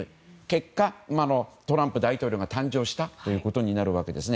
結果、トランプ大統領が誕生したということになるわけです。